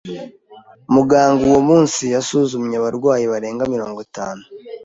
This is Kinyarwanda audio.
Muganga uwo munsi yasuzumye abarwayi barenga mirongo itanu.